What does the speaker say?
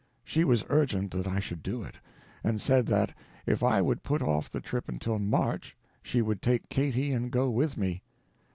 She was urgent that I should do it, and said that if I would put off the trip until March she would take Katy and go with me.